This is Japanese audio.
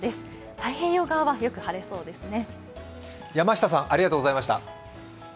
太平洋側は、よく晴れそうですね。